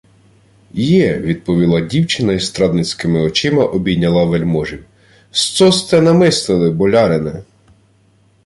— Є, — відповіла дівчина й страдницькими очима обійняла вельможів. — Сцо сте намислили, болярине?